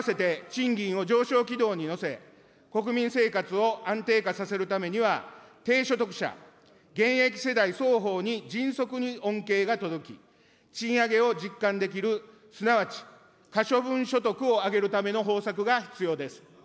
物価と合わせて賃金を上昇軌道に乗せ、国民生活を安定化させるためには、低所得者、現役世代双方に迅速に恩恵が届き、賃上げを実感できる、すなわち可処分所得を上げるための方策が必要です。